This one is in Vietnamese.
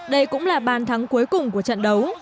đây cũng là bàn thắng cuối cùng của trận đấu